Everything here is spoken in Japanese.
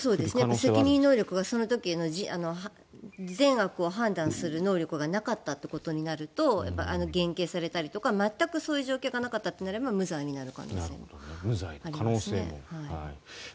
責任能力がその時の善悪を判断する能力がなかったということになると減刑されたりとか全くそういう状況がなかったとなれば無罪になる可能性もありますね。